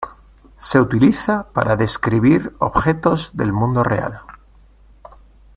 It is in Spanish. Se utiliza para describir objetos del mundo real.